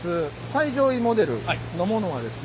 最上位モデルのものはですね